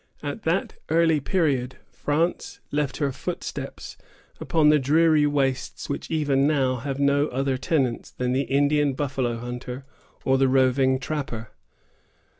At that early period, France left her footsteps upon the dreary wastes which even now have no other tenants than the Indian buffalo hunter or the roving trapper.